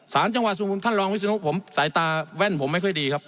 สารจังหวัดสุพรรณท่านรองวิศนุผมสายตาแว่นผมไม่ค่อยดีครับ